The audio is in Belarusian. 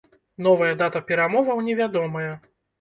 Новая дата перамоваў невядомая.